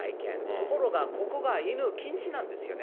ところがここが犬禁止なんですよね。